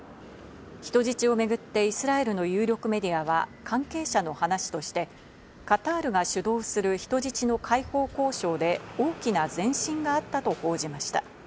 人質を巡ってイスラエルの有力メディアは、関係者の話として、カタールが主導する人質の解放交渉で大きな前進があったと報じました。